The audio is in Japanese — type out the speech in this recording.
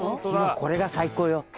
「これが最高よ」